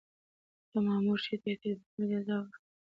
هغه مامور چې ده ته يې د تلو اجازه ورکړه اوس چېرته دی؟